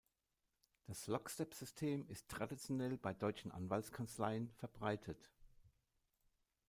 Das Lockstep-System ist traditionell bei deutschen Anwaltskanzleien verbreitet.